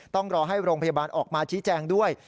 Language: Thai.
ต้องรอให้โรงพยาบาลออกมาชี้แจงด้วย